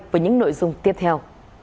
với những nội dung tiếp theo